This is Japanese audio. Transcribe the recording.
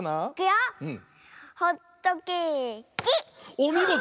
おみごと！